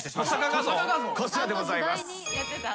こちらでございます。